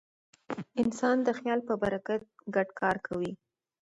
انسان د خیال په برکت ګډ کار کوي.